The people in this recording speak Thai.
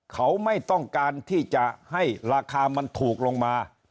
เขาไม่ต้องการที่จะให้ราคามันถูกลงมา